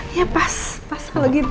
ya pas pas kalau gitu